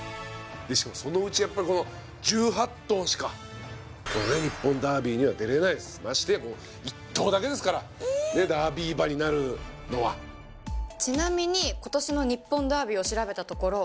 しかもそのうちやっぱりこの１８頭しか日本ダービーには出れないですましてやもう１頭だけですからダービー馬になるのはちなみに今年の日本ダービーを調べたところ